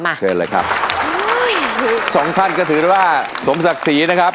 เชิญเลยครับอุ้ยสองท่านก็ถือว่าสมศักดิ์ศรีนะครับ